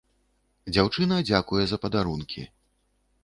Дзяўчына дзякуе за падарункі.